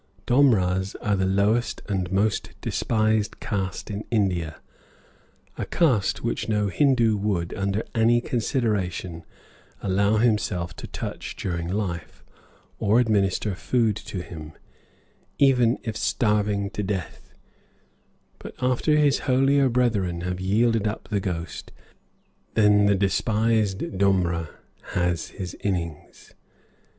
Domras are the lowest and most despised caste in India, a caste which no Hindoo would, under any consideration, allow himself to touch during life, or administer food to him even if starving to death; but after his holier brethren have yielded up the ghost, then the despised domra has his innings.